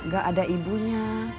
gak ada ibunya